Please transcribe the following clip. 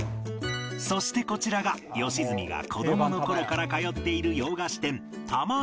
そしてこちらが良純が子供の頃から通っている洋菓子店珠屋